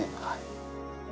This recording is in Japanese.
はい。